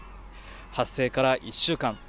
発生から１週間。